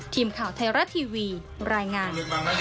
ทีมข่าวไทยรัฐทีวีรายงาน